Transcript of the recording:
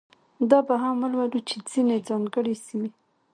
دا به هم ولولو چې ځینې ځانګړې سیمې.